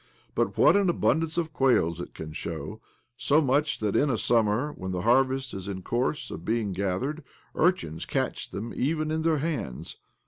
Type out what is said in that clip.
But what an abundance of quails, it can show !— so much so that in summer, when the harvest is in course of being gathered, urchins can catch them even in their hands